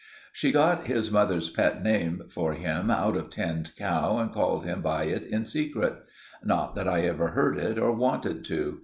She got his mother's pet name for him out of Tinned Cow, and called him by it in secret. Not that I ever heard it, or wanted to.